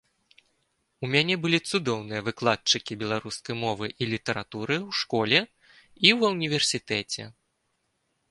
У мяне былі цудоўныя выкладчыкі беларускай мовы і літаратуры ў школе і ва ўніверсітэце.